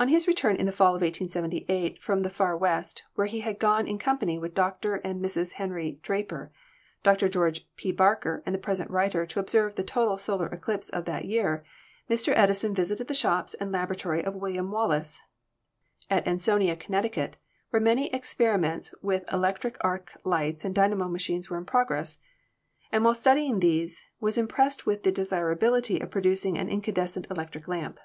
On his return in the fall of 1878 from the far West, where he had gone in company with Dr. and Mrs. Henry Draper, Dr„ George P. Barker and the present writer, to observe the total solar eclipse of that year, Mr. Edison visited the shops and laboratory of William Wallace, at Ansonia, Conn., where many experiments with electric arc lights and dynamo machines were in progress, and while study Fig. 25 — Edison's First Incandescent Platinum Lamp. ing these was impressed with the desirability of producing an incandescent electric lamp.